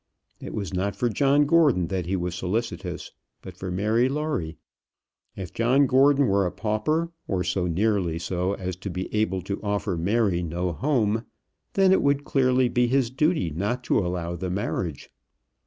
It was not for John Gordon that he was solicitous, but for Mary Lawrie. If John Gordon were a pauper, or so nearly so as to be able to offer Mary no home, then it would clearly be his duty not to allow the marriage.